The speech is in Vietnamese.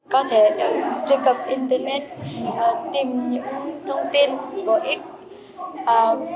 có thể truy cập internet tìm những thông tin bổ ích